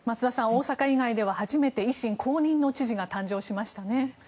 大阪以外では初めて維新公認以外の知事が誕生しましたね。